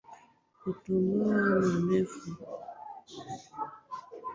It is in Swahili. Wamasai katika muziki waoAlama mwilini Mmasai mzee na ndewe zilizonyoshwa Kutoboa na kunyosha